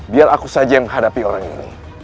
biar aku saja yang menghadapi orang ini